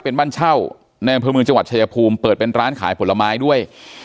เป็นบ้านเช่าในอำเภอเมืองจังหวัดชายภูมิเปิดเป็นร้านขายผลไม้ด้วย